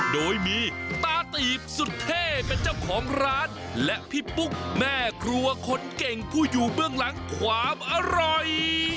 โดยมีตาตีบสุดเท่เป็นเจ้าของร้านและพี่ปุ๊กแม่ครัวคนเก่งผู้อยู่เบื้องหลังความอร่อย